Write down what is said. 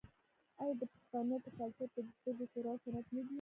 آیا د پښتنو په کلتور کې د سترګو تورول سنت نه دي؟